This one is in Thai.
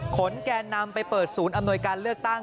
แกนนำไปเปิดศูนย์อำนวยการเลือกตั้ง